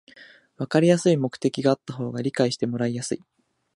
わかりやすい目的があった方が理解してもらいやすい